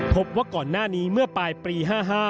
พบว่าก่อนหน้านี้เมื่อปลายปี๕๕